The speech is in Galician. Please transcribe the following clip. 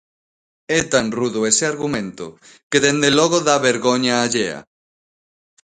É tan rudo ese argumento que dende logo dá vergoña allea.